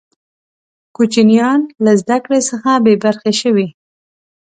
کوچنیان له زده کړي څخه بې برخې شوې.